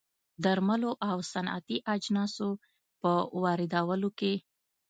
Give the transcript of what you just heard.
درملو او صنعتي اجناسو په واردولو کې